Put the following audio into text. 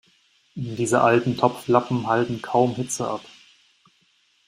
Diese alten Topflappen halten kaum Hitze ab.